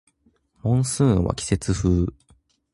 モンスーンは季節風